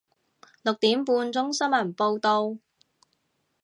六點半鐘新聞報道